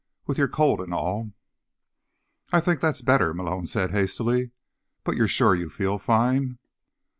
"With your cold and all." "I think that's better," Malone said hastily. "But you're sure you feel fine?"